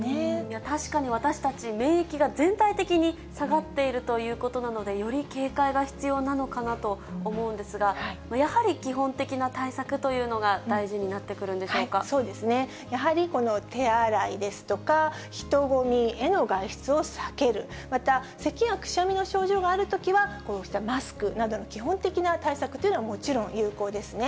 確かに私たち、免疫が全体的に下がっているということなので、より警戒が必要なのかなと思うんですが、やはり基本的な対策というのが、大事になそうですね、やはり手洗いですとか、人混みへの外出を避ける、また、せきやくしゃみの症状があるときは、こうしたマスクなどの基本的な対策というのはもちろん有効ですね。